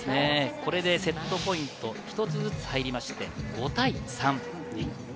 これでセットポイント一つずつ入りまして、５対３。